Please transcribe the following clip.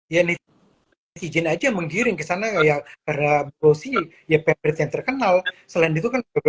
ya ini izin aja menggiring kesana kayak era bosnya ya peter yang terkenal selain itu kan